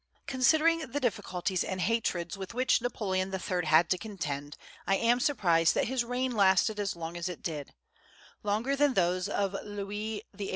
Considering the difficulties and hatreds with which Napoleon III. had to contend, I am surprised that his reign lasted as long as it did, longer than those of Louis XVIII.